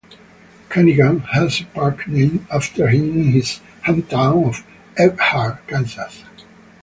Cunningham has a park named after him in his hometown of Elkhart, Kansas.